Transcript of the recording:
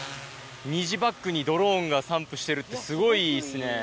虹バックにドローンが散布してるって、すごいいいですね。